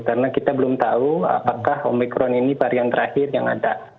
karena kita belum tahu apakah omikron ini varian terakhir yang ada